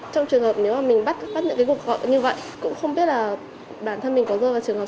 trong trường hợp nếu mà mình bắt những cái cuộc gọi như vậy cũng không biết là bản thân mình có rơi vào trường hợp